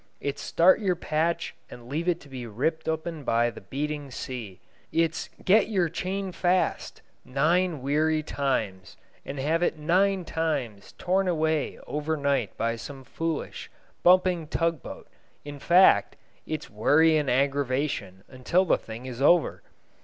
It's start your patch and leave it to be ripped open by the beating sea; it's get your chain fast nine weary times, and have it nine times torn away over night by some foolish, bumping tug boat; in fact, it's worry and aggravation until the thing is over.